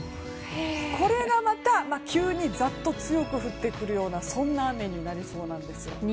これがまた急にざっと強く降ってくるようなそんな雨になりそうなんです。